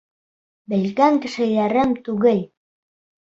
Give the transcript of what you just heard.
Белгән кешеләрем түгел.